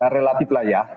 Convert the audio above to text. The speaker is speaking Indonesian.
relatif lah ya